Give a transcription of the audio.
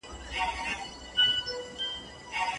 ایا پنډي په اوږه باندي ګڼ توکي راوړي؟